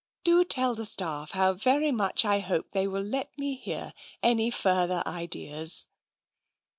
Do tell the staff how very much I hope they will let me hear any further ideas."